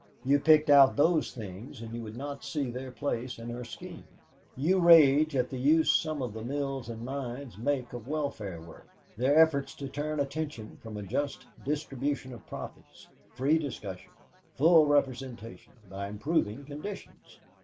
You picked out those things and would not see their place in her scheme. You rage at the use some of the mills and mines make of welfare work; their efforts to turn attention from a just distribution of profits, free discussion, full representation, by improving conditions.